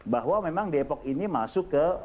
bahwa memang depok ini masuk ke